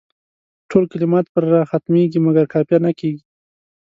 ټول کلمات پر راء ختمیږي مګر قافیه نه کیږي.